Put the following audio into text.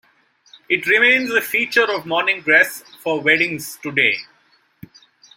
It remains a feature of morning dress for weddings today.